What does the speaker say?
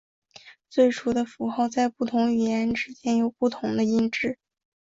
最初的符号在不同语言之间有不同的音值。